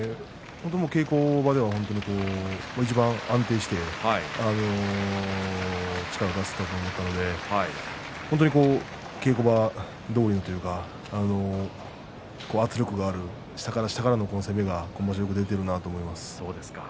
稽古場ではいちばん安定して力を出していたと思ったので本当に稽古場どおりというか圧力がある下から下からの攻めが出ているなと思います。